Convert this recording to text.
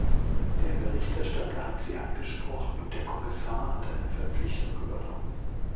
Der Berichterstatter hat sie angesprochen und der Kommissar hat eine Verpflichtung übernommen.